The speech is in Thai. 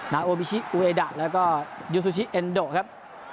นาโอบิชิอูเอดะแล้วก็ยูซูชิเอ็นโดครับ